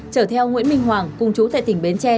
chở theo nguyễn minh hoàng cùng chú tại tỉnh bến tre